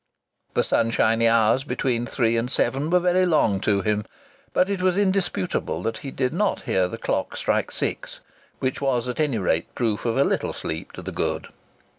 The sunshiny hours between three and seven were very long to him, but it was indisputable that he did not hear the clock strike six: which was at any rate proof of a little sleep to the good.